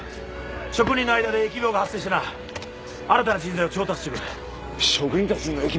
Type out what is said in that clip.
職人の間で疫病が発生してな新たな人材を調達してくる職人たちにも疫病が？